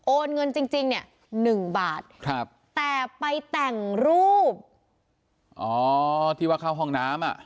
เงินจริงจริงเนี่ยหนึ่งบาทครับแต่ไปแต่งรูปอ๋อที่ว่าเข้าห้องน้ำอ่ะ